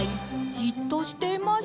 「じっとしていましょう」